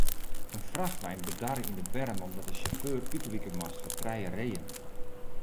In frachtwein bedarre yn de berm omdat de sjauffeur útwike moast foar trije reeën.